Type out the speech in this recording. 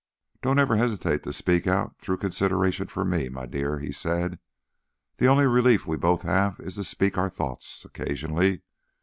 "Don't ever hesitate to speak out through consideration for me, my dear," he said. "The only relief we both have is to speak our thoughts occasionally.